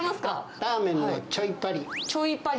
ラーメンのチョイパリ。